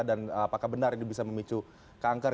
dan apakah benar ini bisa memicu kanker